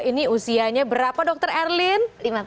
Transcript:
ini usianya berapa dokter erlin